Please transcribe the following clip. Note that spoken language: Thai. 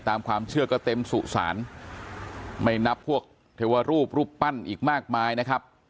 ตามความเชื่อก็เต็มสุสานไม่นับพวกเทวรูปรูปปั้นอีกมากมายนะครับ